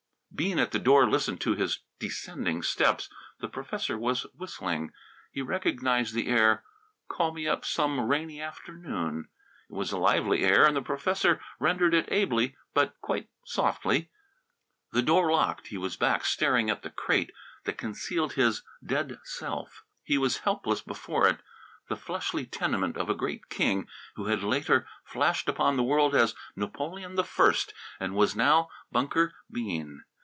Bean, at the door, listened to his descending steps. The professor was whistling. He recognized the air, "Call Me Up Some Rainy Afternoon." It was a lively air and the professor rendered it ably but quite softly. The door locked, he was back staring at the crate that concealed his dead self. He was helpless before it. The fleshly tenement of a great king who had later flashed upon the world as Napoleon I, and was now Bunker Bean!